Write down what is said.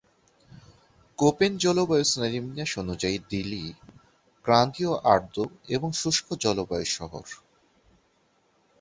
Copen জলবায়ু শ্রেণিবিন্যাস অনুযায়ী দিলি ক্রান্তীয় আর্দ্র এবং শুষ্ক জলবায়ুর শহর।